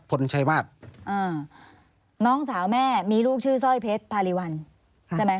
พลชัยวาสอ่าน้องสาวแม่มีลูกชื่อสร้อยเพชรพารีวัลใช่ไหม